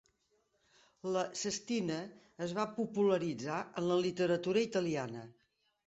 La "sestina" es va popularitzar en la literatura italiana.